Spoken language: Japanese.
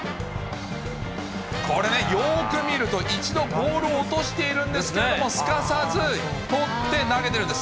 これ、よーく見ると、一度ボールを落としているんですけれども、すかさず捕って投げてるんです。